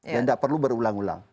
dan tidak perlu berulang ulang